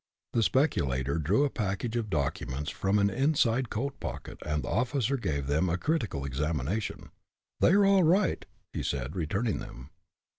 The speculator drew a package of documents from an inside coat pocket, and the officer gave them a critical examination. "They are all right," he said, returning them.